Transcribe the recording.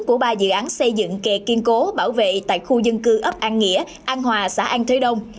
của ba dự án xây dựng kề kiên cố bảo vệ tại khu dân cư ấp an nghĩa an hòa xã an thế đông